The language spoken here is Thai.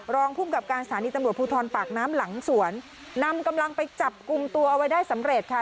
รองภูมิกับการสถานีตำรวจภูทรปากน้ำหลังสวนนำกำลังไปจับกลุ่มตัวเอาไว้ได้สำเร็จค่ะ